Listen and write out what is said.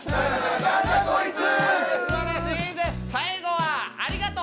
最後はありがとう！